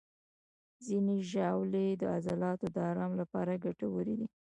ځینې ژاولې د عضلاتو د آرام لپاره ګټورې دي.